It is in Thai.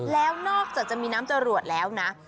แล้วนอกจากจะมีน้ำจรวดแล้วนะ